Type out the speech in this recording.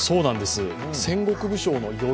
戦国武将の。